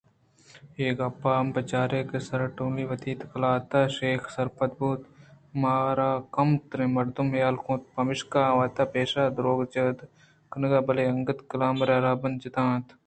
اے گپ ءَ ہم بچار کہ سارٹونی وت ءَ قلات ءِ شیخ سرپد بیت ءُمارا کمتریں مردم حیال کنت پمشکا آوت ءَ پیش دارگ ءِ جہد ءَ کنت بلئے انگتءَ کلام ءِ راہ ءُرہبند جتا اَنت